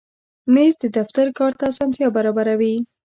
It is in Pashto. مېز د دفتر کار ته اسانتیا برابروي.